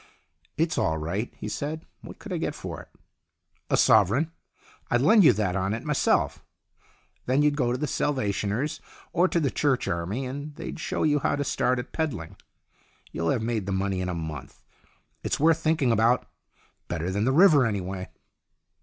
"It's all right," he said. "What could I get for it?" " A sovereign. I'd lend you that on it myself. Then you'd go to the Salvationers, or to the Church Army, and they'd show you how to start at peddling. You'll have made the money in a month. It's worth thinking about. Better than the river, anyway."